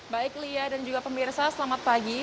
baik lia dan juga pemirsa selamat pagi